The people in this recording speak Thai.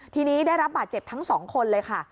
ทีนี้ได้รับบาดเจ็บทั้งสองคนเลยค่ะ